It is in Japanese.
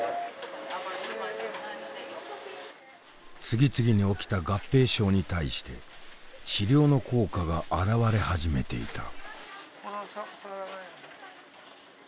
次々に起きた合併症に対して治療の効果が表れ始めていた。